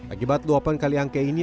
akibat luapan kali angke ini